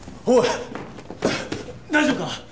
大丈夫か！？